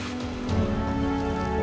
menangkal perilaku riki selama ini